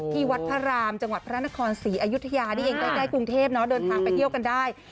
ที่วัดพระรามจังหวัดพระนครศรีอยุธยานี่เองใกล้กรุงเทพเดินทางไปเที่ยวกันได้